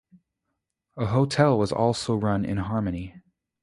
A hotel was also run in Harmony.